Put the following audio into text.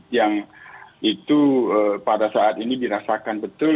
yang itu pada saat ini dirasakan betul